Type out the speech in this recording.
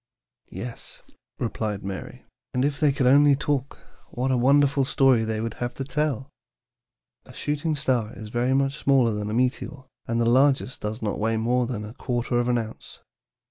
"Yes," replied Mary; "and if they could only talk, what a wonderful story they would have to tell! A shooting star is very much smaller than a meteor, and the largest does not weigh more than a quarter of an ounce.